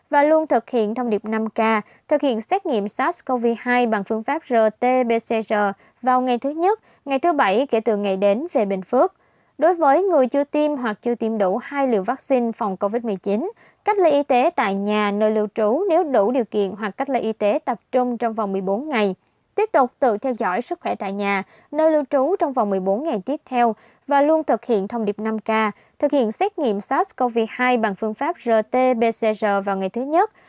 và luôn thực hiện thông điệp năm k thực hiện xét nghiệm sars cov hai bằng phương pháp rt pcr vào ngày thứ nhất